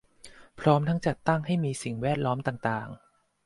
พร้อมทั้งจัดให้มีสิ่งแวดล้อมต่างต่าง